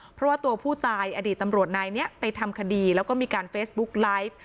เพราะว่าตัวผู้ตายอดีตตำรวจนายนี้ไปทำคดีแล้วก็มีการเฟซบุ๊กไลฟ์